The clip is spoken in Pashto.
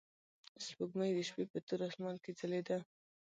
سپوږمۍ د شپې په تور اسمان کې ځلېده.